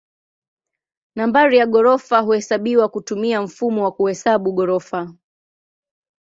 Nambari ya ghorofa huhesabiwa kutumia mfumo wa kuhesabu ghorofa.